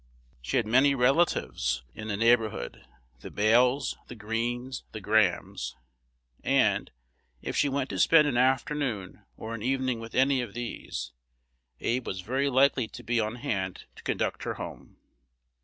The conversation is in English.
She had many relatives in the neighborhood, the Bales, the Greenes, the Grahams: and, if she went to spend an afternoon or an evening with any of these, Abe was very likely to be on hand to conduct her home.